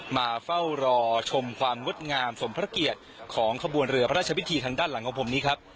มาเฝ้ารอชมความงดงามสมพระเกียรติของขบวนเรือพระราชพิธีทางด้านหลังของผมนี้ครับ